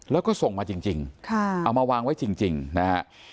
แล้วก็ส่งมาจริงเอามาวางไว้จริงนะฮะ